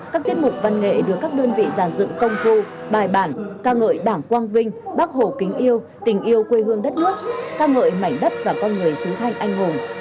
các tiết mục văn nghệ được các đơn vị giàn dựng công phu bài bản ca ngợi đảng quang vinh bác hồ kính yêu tình yêu quê hương đất nước ca ngợi mảnh đất và con người xứ thanh anh hùng